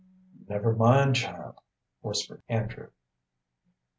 "Never mind, child," whispered Andrew.